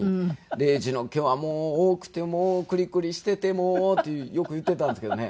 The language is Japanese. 「礼二の毛は多くてクリクリしていてもう」ってよく言っていたんですけどね。